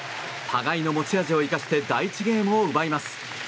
互いの持ち味を生かして第１ゲームを奪います。